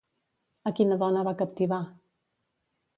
A quina dona va captivar?